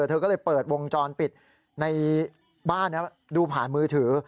เธอก็เลยเปิดวงจรปิดในบ้านดูผ่านมือถือ